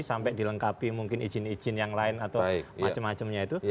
sampai dilengkapi mungkin izin izin yang lain atau macam macamnya itu